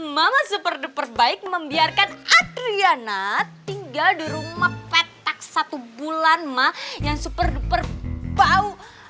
mama super duper baik membiarkan adriana tinggal di rumah petak satu bulan ma yang super duper bau